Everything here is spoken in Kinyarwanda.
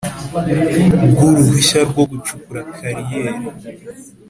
Bw uruhushya rwo gucukura kariyeri